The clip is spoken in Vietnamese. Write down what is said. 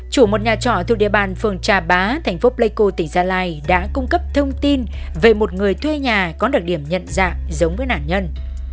chủ một nhà trọ thuộc địa bàn phường trà bá thành phố pleiku tỉnh gia lai đã cung cấp thông tin về một người thuê nhà có được điểm nhận dạng giống với nạn nhân